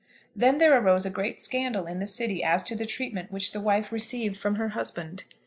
Then there arose a great scandal in the city as to the treatment which the wife received from her husband.